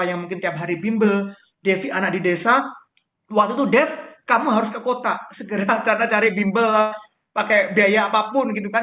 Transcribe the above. yang mungkin tiap hari bimbel devi anak di desa waktu itu def kamu harus ke kota segera karena cari bimbel pakai biaya apapun gitu kan